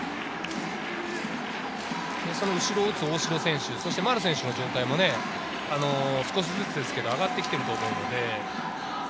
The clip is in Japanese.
その後ろを打つ大城選手、丸選手の状態も少しずつですけれど上がってきていると思うので。